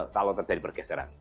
kalau terjadi perubahan